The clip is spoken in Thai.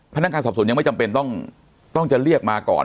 พนักงานสอบสวนยังไม่จำเป็นต้องจะเรียกมาก่อน